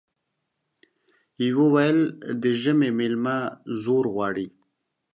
يوه ويل د ژمي ميلمه زور غواړي ،